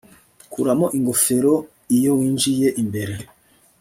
Kuramo ingofero iyo winjiye imbere